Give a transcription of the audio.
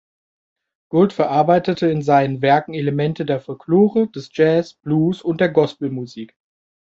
Gould verarbeitete in seinen Werken Elemente der Folklore, des Jazz, Blues und der Gospelmusik.